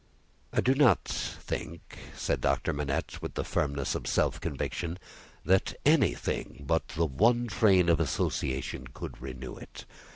I do not think," said Doctor Manette with the firmness of self conviction, "that anything but the one train of association would renew it.